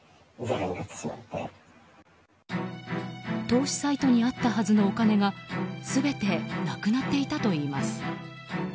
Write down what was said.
投資サイトにあったはずのお金が全てなくなっていたといいます。